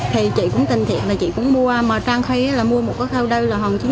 thì chị cũng tin thiệt là chị cũng mua mà trang khay là mua một cái khâu đầy là hồng chín mươi chín bốn mươi chín á